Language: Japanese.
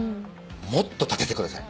もっと立ててください！